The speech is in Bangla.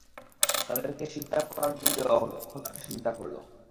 তাদেরকে সিজদা করার হুকুম দেয়া হলো, তখন তারা সিজদা করল।